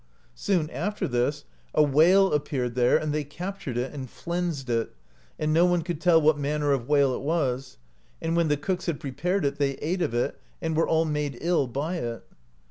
Soon after this a whale appeared there, and they captured it, and flensed it, and no one could tell what manner of whale it was; and when the cooks had prepared it they ate of it, and were all made ill by it.